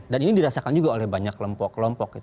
dan ini dirasakan juga oleh banyak kelompok kelompok